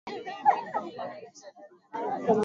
Byote uta sikia aina bya kweli na bya bongo biko amo